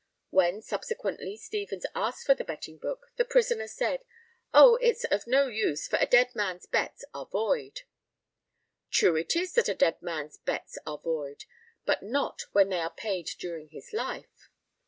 When, subsequently, Stevens asked for the betting book, the prisoner said, "Oh, it's of no use, for a dead man's bets are void." True it is that a dead man's bets are void, but not when they are paid during his life.